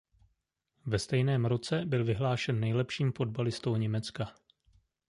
Ve stejném roce byl vyhlášen nejlepším fotbalistou Německa.